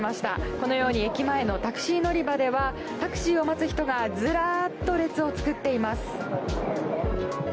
このように駅前のタクシー乗り場ではタクシーを待つ人がずらっと列を作っています。